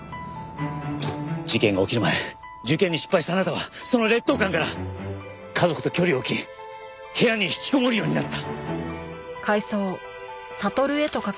事件が起きる前受験に失敗したあなたはその劣等感から家族と距離を置き部屋に引きこもるようになった。